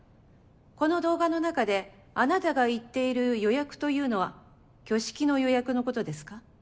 この動画の中であなたが言っている予約というのは挙式の予約のことですか？